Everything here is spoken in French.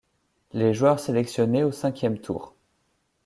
Les joueurs sélectionnés au cinquième tour.